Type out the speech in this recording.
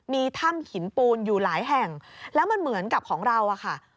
มีถ้ำหินปูนอยู่หลายแห่งแล้วมันเหมือนกับของเราอะค่ะ